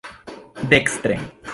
dekstre